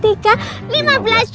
tau kan kompak